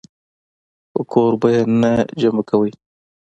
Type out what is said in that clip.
خو کور به ئې نۀ جمع کوئ -